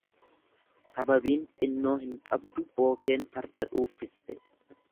Sababiin xinnoo hin qabdu bookeen farda dhuuffiste.